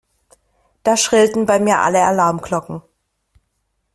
Da schrillten bei mir alle Alarmglocken.